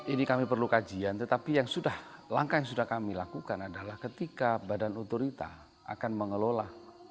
ini kami perlu kajian tetapi yang sudah langkah yang sudah kami lakukan adalah ketika badan otorita akan mengelola